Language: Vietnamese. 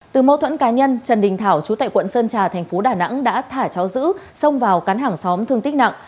từ mâu thuẫn cá nhân trần đình thảo chú tại quận sơn trà thành phố đà nẵng đã thả cháu giữ xông vào cắn hàng xóm thương tích nặng